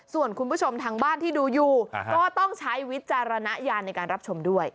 ส่วนคุณผู้ชมทางบ้านที่ดูอยู่ก็ต้องใช้วิจารณญาณในการรับชมด้วย